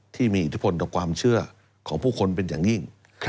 ที่มีอิทธิพลต่อความเชื่อของผู้คนเป็นอย่างยิ่ง